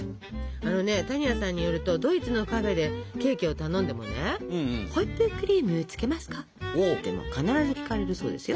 あのね多仁亜さんによるとドイツのカフェでケーキを頼んでもね「ホイップクリームつけますか？」って必ず聞かれるそうですよ。